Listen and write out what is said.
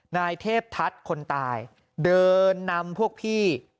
นายเทพทัศน์คนตายเดินนำพวกพี่